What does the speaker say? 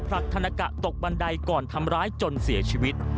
ผลักธนากะตกบันไดก่อนทำร้ายจนเสียชีวิต